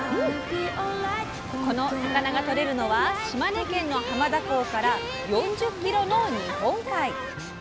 この魚がとれるのは島根県の浜田港から４０キロの日本海。